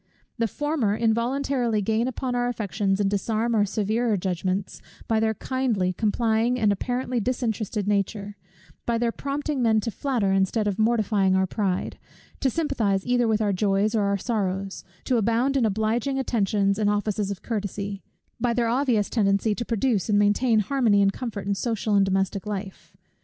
The former involuntarily gain upon our affections and disarm our severer judgments, by their kindly, complying, and apparently disinterested nature; by their prompting men to flatter instead of mortifying our pride, to sympathize either with our joys or our sorrows, to abound in obliging attentions and offices of courtesy; by their obvious tendency to produce and maintain harmony and comfort in social and domestic life.